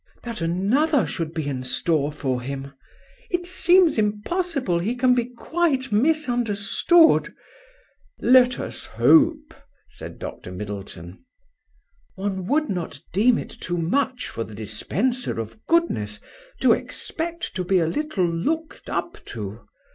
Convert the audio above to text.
" That another should be in store for him!" " It seems impossible he can be quite misunderstood!" "Let us hope ...!" said Dr. Middleton. " One would not deem it too much for the dispenser of goodness to expect to be a little looked up to!"